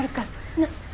なっ？